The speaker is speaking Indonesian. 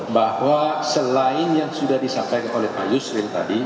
bahwa selain yang sudah disampaikan oleh pak yusril tadi